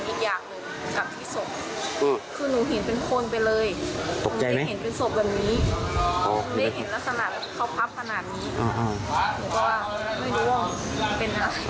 ไม่เห็นลักษณะเขาพับขนาดนี้หรือว่าไม่รู้ว่าเป็นอะไร